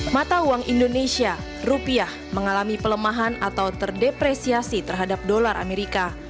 mata uang indonesia rupiah mengalami pelemahan atau terdepresiasi terhadap dolar amerika